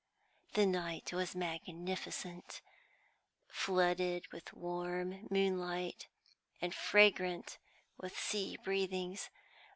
The night was magnificent, flooded with warm moonlight, and fragrant with sea breathings.